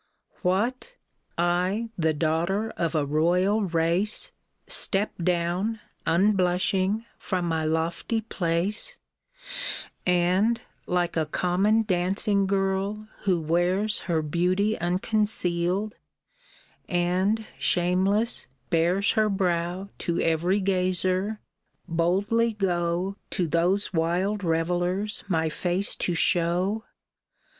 What ! I, the daughter of a royal race, Step down, unblushing, from my lofty place, And, like a common dancing girl, who wears Her beauty unconcealed, and, shameless, bares Her brow to every gazer, boldly go To those wild revellers my face to show